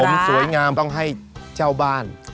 ผมสวยงามต้องให้เจ้าบ้าน